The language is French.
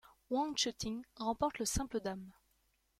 Wang Shi-Ting remporte le simple dames.